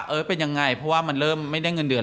เอาสิคะอะไรคะคุณ